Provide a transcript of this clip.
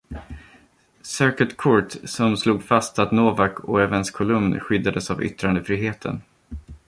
Circuit Court, som slog fast att Novak och Evans kolumn skyddades av yttrandefriheten.